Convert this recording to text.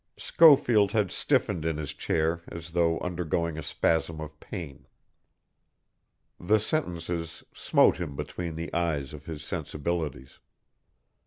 Schofield had stiffened in his chair as though undergoing a spasm of pain. The sentences smote him between the eyes of his sensibilities.